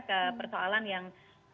ke persoalan yang